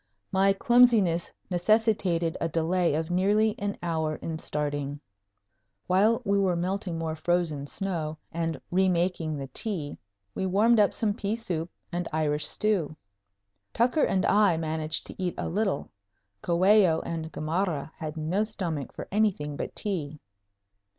My clumsiness necessitated a delay of nearly an hour in starting. While we were melting more frozen snow and re making the tea, we warmed up some pea soup and Irish stew. Tucker and I managed to eat a little. Coello and Gamarra had no stomachs for anything but tea.